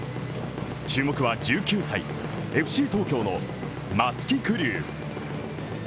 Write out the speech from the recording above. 注目は１９歳ＦＣ東京の松木玖生。